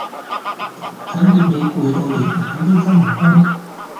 看見你累得連眼也睜不開